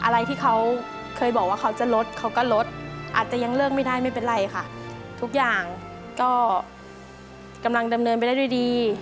แล้วก็สายหน้าด้วย